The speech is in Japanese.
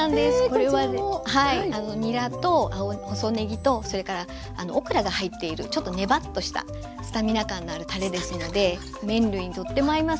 これはにらと細ねぎとそれからオクラが入っているちょっとねばっとしたスタミナ感があるたれですので麺類にとっても合いますから。